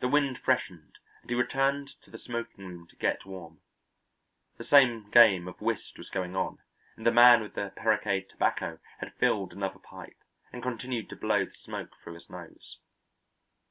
The wind freshened and he returned to the smoking room to get warm. The same game of whist was going on, and the man with the Perrique tobacco had filled another pipe and continued to blow the smoke through his nose.